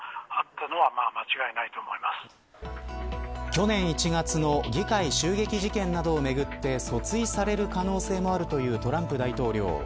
去年１月の議会襲撃事件などをめぐって訴追される可能性もあるというトランプ大統領。